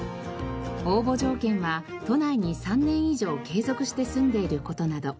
応募条件は都内に３年以上継続して住んでいる事など。